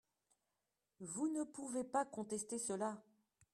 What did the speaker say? Vous ne pouvez pas contester cela